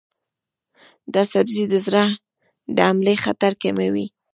دا سبزی د زړه د حملې خطر کموي.